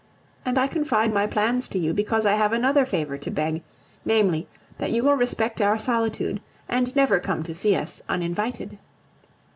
And I confide my plans to you because I have another favor to beg; namely, that you will respect our solitude and never come to see us uninvited.